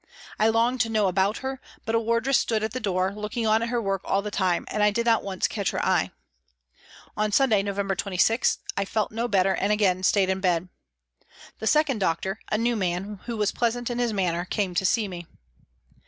I longed to know about her, but a wardress stood at the door looking on at her work all the time, and I did not once catch her eye. On Sunday, November 26, 1 felt no better and again stayed in bed. The second doctor, a new man, who was pleasant in his manner, came to see me.